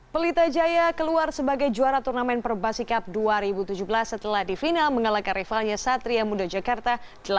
pelita jaya keluar sebagai juara turnamen perbasikap dua ribu tujuh belas setelah di final mengalahkan rivalnya satria muda jakarta delapan belas